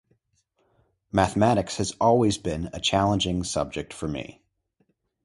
Mathematics has always been a challenging subject for me.